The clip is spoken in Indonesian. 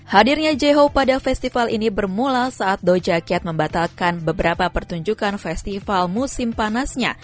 hadirnya jho pada festival ini bermula saat doja kiat membatalkan beberapa pertunjukan festival musim panasnya